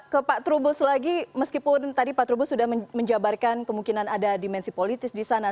ke pak terubus lagi meskipun tadi pak terubus sudah menjabarkan kemungkinan ada dimensi politis disana